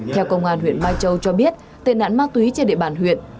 theo công an huyện mai châu cho biết tên ảnh ma túy trên địa bàn huyện